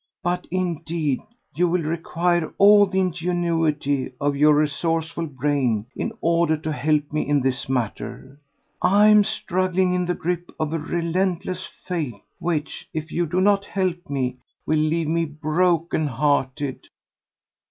"But indeed you will require all the ingenuity of your resourceful brain in order to help me in this matter. I am struggling in the grip of a relentless fate which, if you do not help me, will leave me broken hearted."